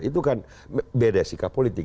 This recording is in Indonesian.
itu kan beda sikap politik